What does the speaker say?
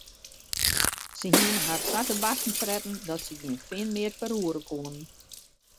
Se hiene har sa te barsten fretten dat se gjin fin mear ferroere koene.